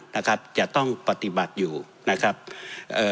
นะครับจะต้องปฏิบัติอยู่นะครับเอ่อ